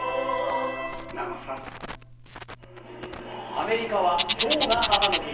アメリカは今日が母の日。